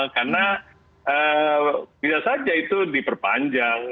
karena tidak saja itu diperpanjang